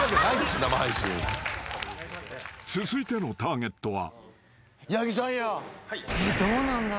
［続いてのターゲットは］